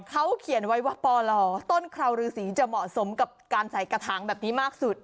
เขาเขียนไว้ว่าปลต้นคราวฤษีจะเหมาะสมกับการใส่กระถางแบบนี้มากสุด